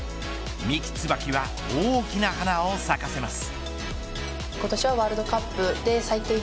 三木つばきは大きな花を咲かせます。